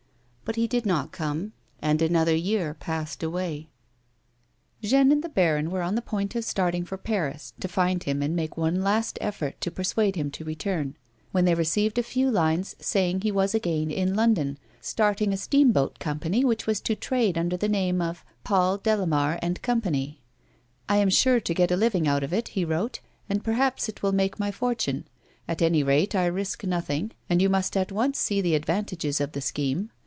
But he did not come, and another year passed away. Jeanne and the baron were on the point of starting for Paris, to find him and make one last effort to persuade him to return, when they received a few lines saying he was again in London, starting a steamboat company which was to trade under the name of '* Paul Delamare & Co." " I am sure to get a living out of it," he wrote, " and perhaps it will make my fortune. At any rate I risk nothing, and you must at once see the advantages of the scheme.